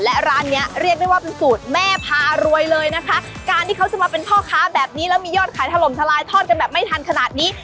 และร้านเนี้ยเรียกได้ว่าเป็นสูตรแม่พารวยเลยนะคะการที่เขาจะมาเป็นพ่อค้าแบบนี้แล้วมียอดขายถล่มทลายทอดกันแบบไม่ทันขนาดนี้